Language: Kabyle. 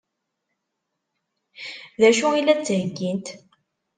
D acu i la d-ttheggint?